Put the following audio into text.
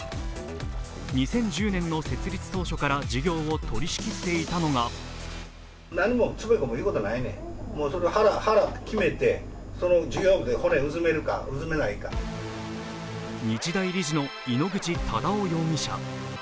２０１０年の設立当初から事業を取り仕切っていたのが日大理事の井ノ口忠男容疑者。